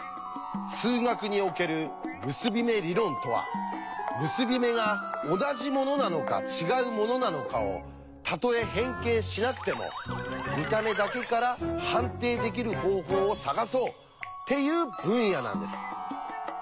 数学における結び目理論とは結び目が同じものなのか違うものなのかをたとえ変形しなくても見た目だけから判定できる方法を探そうっていう分野なんです。